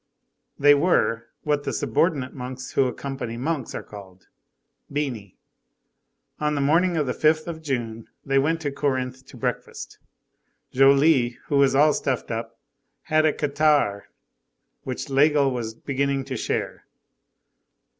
They were, what the subordinate monks who accompany monks are called, bini. On the morning of the 5th of June, they went to Corinthe to breakfast. Joly, who was all stuffed up, had a catarrh which Laigle was beginning to share.